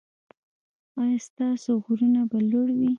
ایا ستاسو غرونه به لوړ وي؟